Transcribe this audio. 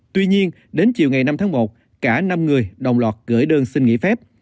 tuy nhiên đến chiều ngày năm tháng một cả năm người đồng loạt gửi đơn xin nghỉ phép